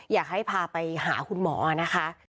อยากให้พาไปหาคุณหมอนะคะ